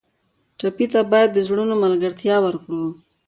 ټپي ته باید د زړونو ملګرتیا ورکړو.